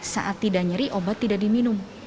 saat tidak nyeri obat tidak diminum